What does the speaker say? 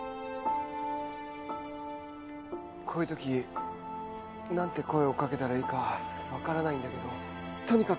こういう時なんて声をかけたらいいかわからないんだけどとにかく。